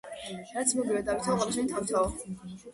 რაც მოგივა დავითაო, ყველა შენი თავითაო.